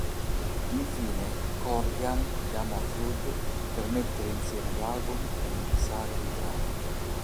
Infine Corgan chiamò Flood per mettere insieme l'album e mixare i brani.